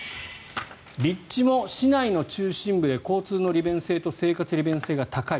立地も市内の中心部で交通の利便性と生活利便性が高い。